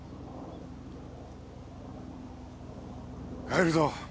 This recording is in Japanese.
帰るぞ剛。